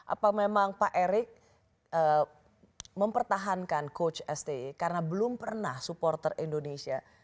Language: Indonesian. apa memang pak erick mempertahankan coach sti karena belum pernah supporter indonesia